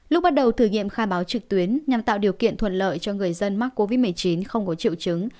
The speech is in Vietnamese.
lúc bắt đầu thử nghiệm khai báo trực tuyến nhằm tạo điều kiện thuận lợi cho người dân mắc covid một mươi chín không có triệu chứng